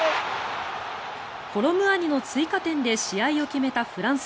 コロムアニの追加点で試合を決めたフランス。